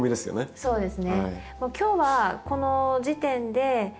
そうですね。